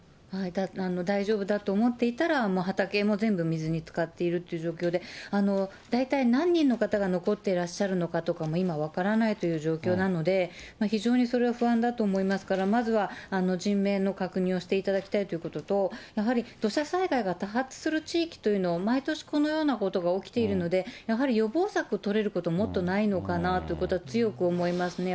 大丈夫だと思っていたら、畑も全部水につかっているという状況で、大体何人の方が残ってらっしゃるのかということも今は分からないという状況なので、非常にそれは不安だと思いますから、まずは人命の確認をしていただきたいということと、やはり土砂災害が多発する地域というのを毎年、このようなことが起きているので、やはり予防策を取れること、もっとないのかなということは強く思いますね。